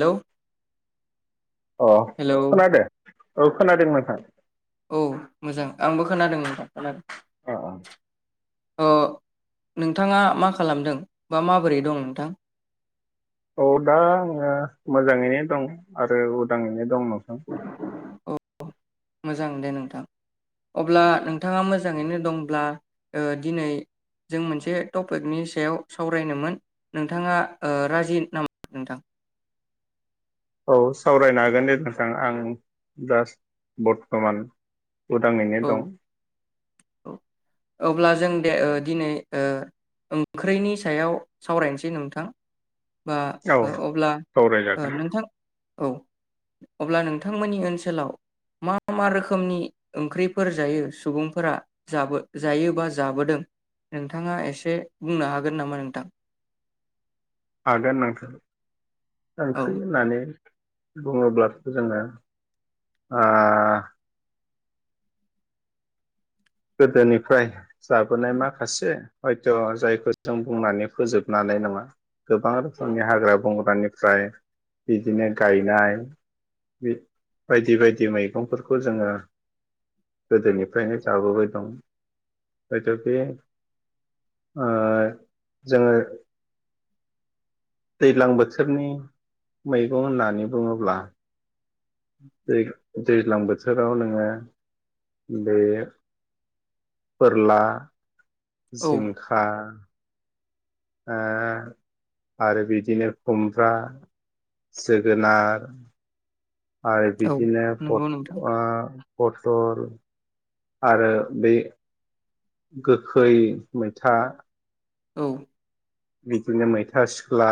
Hello अ hello खोनादो औ खोनादों नोंथां औ मोजां आंबो खोनादों नोंथां खोनादों अ अ अ नोंथाङा मा खालामदों बा माबोरै दं नोंथां? औ दा आङो मोजाङैनो दं आरो उदाङैनो दं नोंथां जां दे नोंथां अब्ला नोंथाङा मोजाङैनो दंब्ला ओ दिनै जों मोनसे टपिकनि सायाव सावरायनोमोन नोंथाङा ओ राजि नामा नोंथां? औ सावरायनो हागोन दे नोंथां आं जास्ट बर्थमान उदाङैनो औ दं औ अब्ला जों दे ओ दिनै ओ ओंख्रिनि सायाव सावरायनोसै नोंथां। बा औ ओ अब्ला ओ सावरायजागोन नोंथां औ अब्ला नोंथांमोननि ओनसोलाव मा मा रोखोमनि ओंख्रिफोर जायो सुबुंफोरा जाबो जायो बा जाबोदों नोंथाङा एसे बुंनो हागोन नामा नोंथां? हागोन नोंथां। औ ओंख्रि होननानै बुङोब्लाथ' जोङो ओ गोदोनिफ्राय जाबोनाय माखासे हयथ' जायखौ जों बुंनानै फोजोबनो हानाय नङा गोबां रोखोमनि हाग्रा बंग्रानिफ्राय बिदिनो गायनाय बि बायदि बायदि मैगंफोरखौ जोङो गोदोनिफ्रायनो जाबोबाय दं हयथ' बे ओ जोङो दैज्लां बोथोरनि मैगं होननानै बुङोब्ला दै-दैज्लां बोथोराव नोङो बे फोरला औ जिंखा ओ आरो बिदिनो खुमब्रा जोगोनार आरो औ बिदिनो नंगौ फट नोंथां ओ फटल आरो बे गोखै मैथा औ बिदिनो मैथा सिख्ला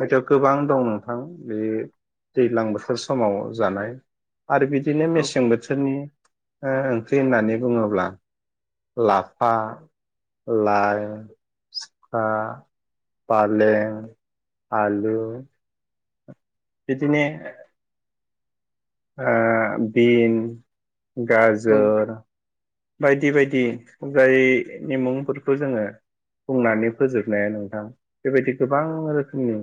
हयथ' गोबां दं नोंथां बे दैज्लां बोथोर समाव जानाय आरो बिदिनो औ मेसें बोथोरनि ओ ओंख्रि होननानै बुङोब्ला लाफा लाइ ओ फालें आलु बेदिनो ओ बिन औ गाजर बायदि बायदि जायनि मुंफोरखौ जोङो बुंनानै फोजोबनाया नोंथां बेबायदि गोबां रोखोमनि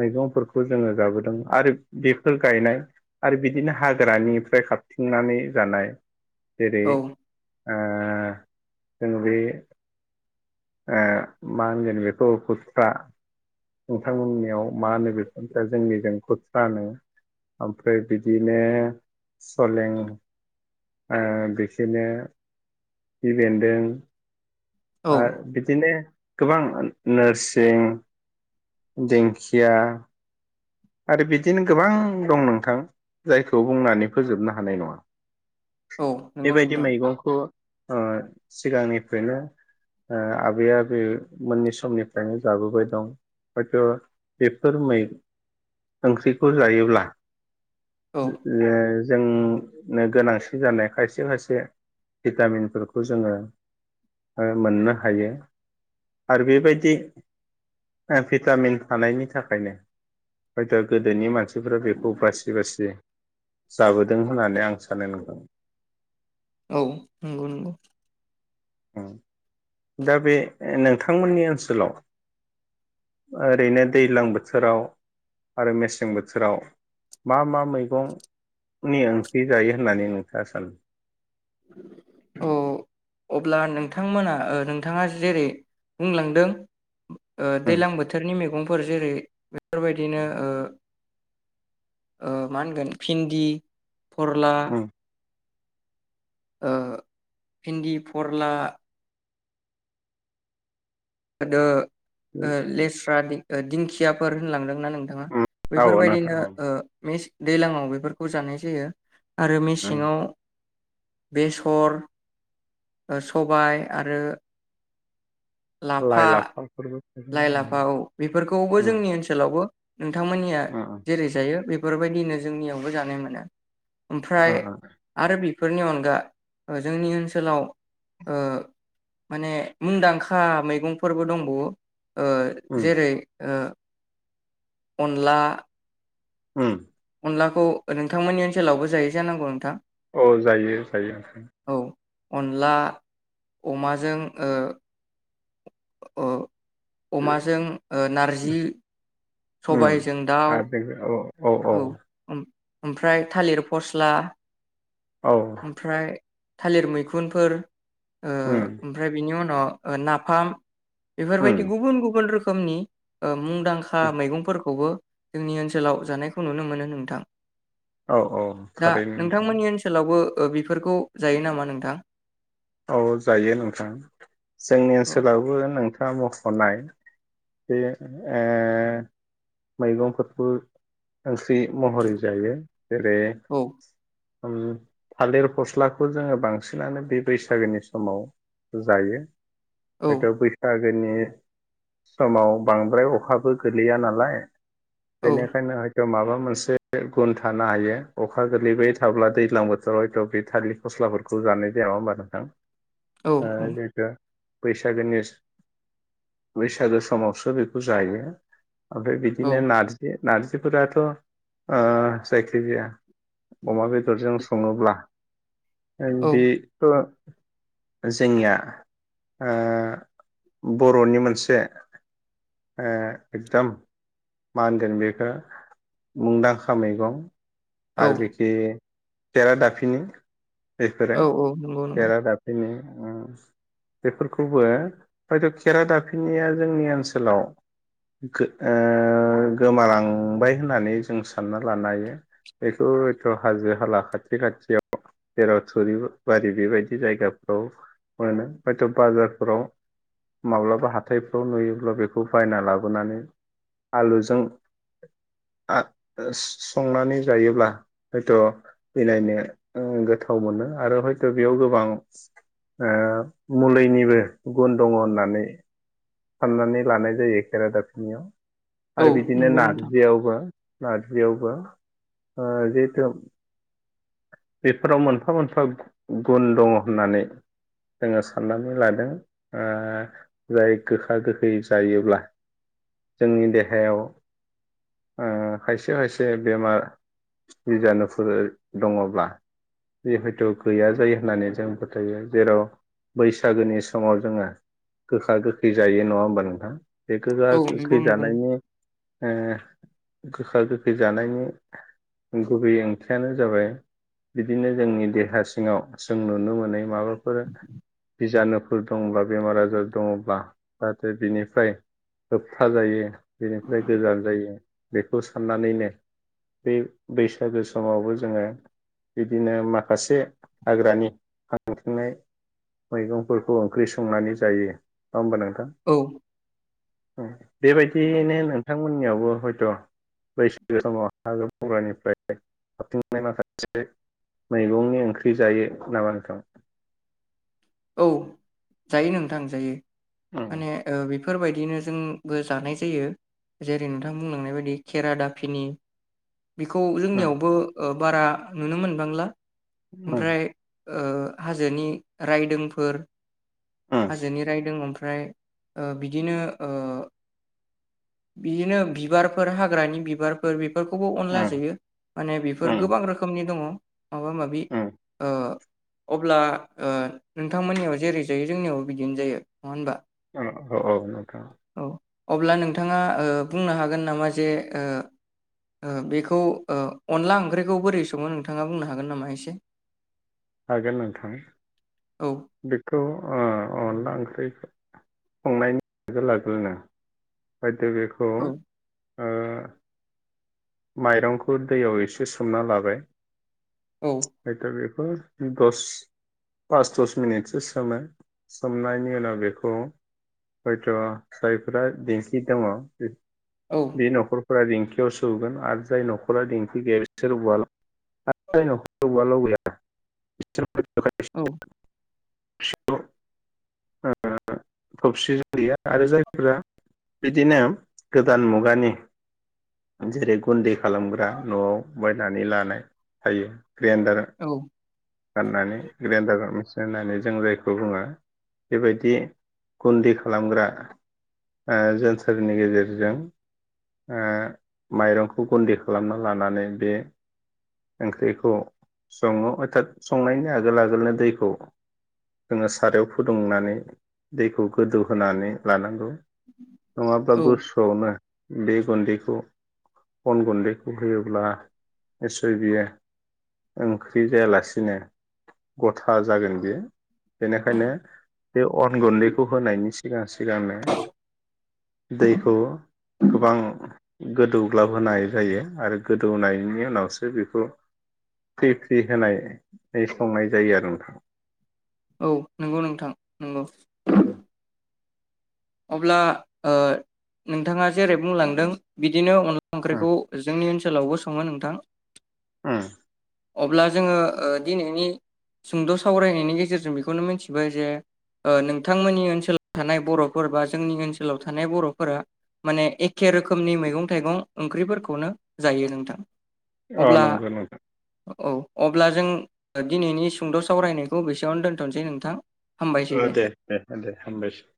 मैगंफोरखौ जोङो जाबोदों आरो बेफोर गायनाय आरो बि दिनो हाग्रानिफ्राय खाथिंनानै जानाय। जेरै- ओ जों बे ओ मा होनगोन बेखौ खुथ्रा नोंथांमोननियाव मा होनो बेखौ जोंनिजों खुथ्रा होनो ओमफ्राय बि दिनो सलें ओ बिखोनो खिफि बेन्दों औ आ बिदिनो गोबां नोरसिं दिंखिया। आरो बिदिनो गोबां दं नोंथां जायखौ बुंनानै फोजोबनो हानाय नङा। औ नंगौ बेबायदि नोंथां मैगंखौ। ओ सिगांनिफ्रायनो ओ आबै आबै मोननि समनिफ्रायनो जाबोबाय दं हयथ बेफोर मै। ओंख्रिखौ जायोब्ला। औ [unintelligible] जोंनो गोनांथि जानाय खायसे खायसे भिटामिनफोरखौ जोङो ओ मोननो हायो आरो बेबायदि भिटामिन थानायनि थाखायनो। हयथ गोदोनि मानसिफ्रा बेखौ बासि-बासि जाबोदों होननानै आं सानो नंदों। औ नंगौ नंगौ। दा बे नोंथांमोननि ओनसोलाव ओरैनो दैज्लां बोथोराव आरो मेसें बोथोराव मा मा मैगंनि ओंख्रि जायो होननानै नोंथाङा सानो। औ अब्ला नोंथांमोना ओ नोंथाङा जेरै बुंलांदों। दैलां बोथोरनि मैगं। फोर जेरै। बेफोरबायदिनो उम ओ। ओ मा होनगोन भिन्दि। फोरला। उम ओ भिन्दि फरला। आरो। ओ लेस्रा। ओ दिंखियाफोर होनलांदों। नोंथाङा उम औ नोंथां बेफोरबायदिनो औ ओ। दैज्लां आव बेफोरखौ जानाय जायो। आरो उम मेसेङाव। बेसर। ओ सबाय आरो। लाय लाफा लाफाफोर। लाइ लाफा औ बेफोरखौबो जोंनि ओनसोलावबो। औ। नोंथांमोननिया उम जेरै जायो बे। बेफोरबायदिनो जोंनियावबो जानो मोनो। ओमफ्राय आरो बे। बेफोरनि अनगा जोंनि ओनसोलाव ओ माने मुंदांखा मैगंफोरबो दंबावो। ओ उम जेरै। अनला। उम। अनलाखौ नोंथांमोननि ओनसोलावबो जायो जानांगौ नोंथां। औ जायो जायो। औ अनला अमाजों ओ अ अमाजों ओ नारजि सबायजों दाउ अ औ उम ओमफ्राय थालिर फस्ला औ ओमफ्राय थालिर मैखुनफोर। ओ उम ओमफ्राय बिनि उनाव ओ नाफाम बेफोरबायदि गुबुन गुबुन रोख खोमनि ओ मुंदांखा उम मैगंफोरखौबो जोंनि ओनसोलाव जानायखौ नुनो मोनो नोंथां औ औ थारैनो नोंथां। बो ओ बिफोरखौ जायो नामा नोंथां? औ जायो नोंथां जोंनि औ ओनसोलावबो नों ओ मखनाय बे ओ मैगंफोरखौ ओंख बे महरै जायो जेरै औ ओम थालिर फस्लाखौ जोङो बांसिनानो बे बैसागोनि समाव जायो। औ [unintelligible] बैसाग दोनि समाव बांद्राय अखाबो गोलैया नालाय। औ बेनिखायनो हयत माबाब मोनसे गुन थानो हायो अखा गोलैबाय थाब्ला दैज्लां बोथोराव हयथ बे थालिर फस्लाफोरखौ जानाय जाया नङा ओमबा? नोंथां औ ओ जिहेतु बैसागोनिस बैसागो समावसो बेखौ जायो। ओमफाय औ बिदिनो नारजि नारजिफोराथ ओ जायखिजाया अमा बेदरजों स सङोब्ला ओम औ बे जोंनिया ओ बर'नि मोनसे ओ एकदम मा होनगोन बेखौ मुंदांखा मैगं औ आलबिखि तेरा दाफिनि औ बेफोरो। औ नंगौ नंगौ तेरा दाफिन। ओम बेफोरखौबो हयथ खेरा दाफिनाया जोंनि ओनसोलाव गो ओ गोमालांबाय होननानै जों सानना लानो हायो बेखौ हयथ हाजो हाला खाथि खाथियाव जेराव थुरि बारि बेबायदि जायगाफ्राव मोनो हयथ बाजारफोराव माब्लाबा हाथायफ्राव नुयोब्ला बेखौ बायना लाबोनानै आलुजों संनानै जायोब्ला हयथ बेनायनो ओ गोथाव मोनो आरो हय तो बेयाव गोबां ओ मुलिनिबो गुन दङ होननानै साननानै लानाय जायो खेरादाफिनियाव औ आरो बिदिनो नंगौ नोंथां नारजियावबो नारजियावबो ओ जिहेथु बेफोराव मोनफा मोनफा गुन दङ होननानै जोङो साननानै लादों ओ जाय गोखा गोखै जायोब्ला जोंनि देहायाव ओ खायसे खायसे बेमार बिजानुफोर दङब्ला जि हयथ' गैया जायो होननानै जों फोथायो जेराव बैसागोनि समाव जोङो गोखा गोखै जायो नङा होमबा नोंथां? बे गोगा औ नंगौ गोखै नंगौ जानायनि ओ गोखा गोखै जानायनि गुबै ओंथियानो जाबाय बिदिनो जोंनि देहा सिङाव जों नुनो मोनै माबाफोर बिजानुफोर दंब्ला बेमार आजार दङब्ला जाहाथे बिनिफ्राय होबथा जायो बिनिफ्राय गोजान जायो बेखौ साननानैनो बे बैसागो समावबो जोङो बिदिनो माखासे हाग्रानि हांथेंनाय मैगंफोरखौ ओंख्रि संनानै जायो। नङा होमबा नोंथां? औ ओं बेबायदियैनो नोंथांमोननियावबो हयथ' बैसागो समाव हाग्रा बंग्रानिफ्राय [unintelligible] [unintelligible] माखासे मैगंनि ओंख्रि जायो नामा नोंथां? औ जायो नोंथां जायो। उम माने ओ बि बेफोरबायदिनो जोंबो जानाय जायो जेरै नोंथां बुंलांनाय बायदि खेरादाफिनि बिखौ उम जोंनियावबो ओ बारा नुनो मोनबांला ओमफ्राय ओ हाजोनि रायदोंफोर उम हाजोनि रायदों ओम फ्राय ओ बिदिनो ओ बिदिनो बिबारफोर हाग्रानि बिबारफोर बे बेफोरखौबो अनला उम जायो माने बेफोर उम गोबां रोखोमनि दङ। माबा माबि उम ओ अब्ला ओ नोंथांमोननियाव जेरै जायो जोंनियावबो बिदिनो जायो नङा होनबा? ओ औ औ नोंथां। औ अब्ला नोंथाङा ओ बुंनो हागोन नामा जे ओ ओ बेखौ ओ अनला ओंख्रिखौ बोरै सङो नोंथाङा बुंनो हागोन नामा एसे? हागोन नोंथां। औ बेखौ ओ अनला ओंख्रिखौ। संनायनि आगोल आगोलनो। दे बेखौ। औ ओ। माइरंखौ दैयाव एसे सोमना लाबाय। औ [unintelligible] दस पास दस मिनिटसो सोमो सोमनायनि उनाव बेखौ हयथ जायफोरा देखि दङ। औ बे न'खर। फुरा दिखिंआव। [inaudible] औ। थबसिजों देआ आरो जायफोरा बिदिनो गोदान मुगानि जेरै गुन्दै। खालामग्रा न'आव। बायनानै लानाय हायो। ग्रेन्दार। औ [inaudible] होननानै जों जायखौ बुङो बेबायदि गुन्दै खालामग्रा ओ जोनथोरनि गेजेरजों ओ माइरंखौ गुदि खालामना लानानै बे ओंख्रिखौ सङो अरता। संनायनि आगोल आगोलनो दैखौ जोङो सारायाव फुदुंनानै दैखौ गोदौहोनानै लानांगौ। नंङाब्ला औ गुसुआवनो। बे गुन्दैखौ अन गुन्दैखौ होयोब्ला निसय बियो ओंख्रि जायालासिनो। बिदिनो गथा जागोन बेयो। बेनिखायनो बे। अन गुन्दैखौ होनायनि सिगां सिगांनो दैखौ गोबां गोदौग्लाबहोनाय जायो आरो गोदौनायनि उनावसो बेखौ फ्रि फ्रि होनाय। संनाय जायो आरो नोंथां। औ नंगौ नोंथां नंगौ। उ। [inaudible] अब्ला ओ नोंथाङा जेरै बुंलांदों बिदिनो अ। अनला ओंख्रिखौ जोंनि ओनलाव । हटेलावबो सङो नोंथां। उम। अब्ला जोङो दिनैनि सुंद सावरायनायनि गेजेरजों बेखौनो मिथिबाय जे नोंथांमोननि ओनसोलाव थानाय बरफोरा। फोरबा जोंनि ओनसोलाव थानाय बर'फोरा माने एखे रोखोमनि मैगं थाइगं ओंख्रिफोरखौनो जायो नोंथां। औ अब्ला नंगौ नोंथां औ अब्ला जों। दिनैनि सुंद सावरायनायखौ बेसेयावनो दोनथसै नोंथां। औ दे दे दे हामबायसै।